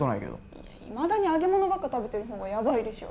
いまだに揚げ物ばっか食べてる方がやばいでしょ。